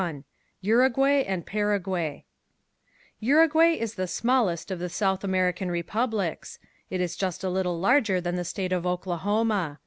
CHAPTER XXI URUGUAY AND PARAGUAY Uruguay is the smallest of the South American republics. It is just a little larger than the state of Oklahoma.